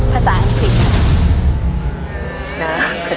ภาษาอังกฤษครับ